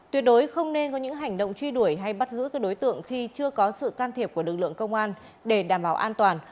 tuyệt đối không nên có những hành động truy đuổi hay bắt giữ các đối tượng khi chưa có sự can thiệp của lực lượng công an để đảm bảo an toàn